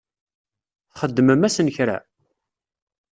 Txedmem-asen kra?